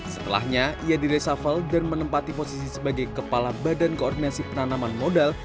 setelahnya ia diresafel dan menempati posisi sebagai kepala badan koordinasi penanaman modal